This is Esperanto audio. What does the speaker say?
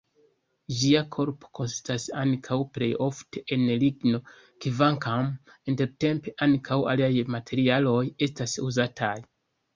Ĝia korpo konsistas ankaŭ plejofte el ligno, kvankam intertempe ankaŭ aliaj materialoj estas uzataj.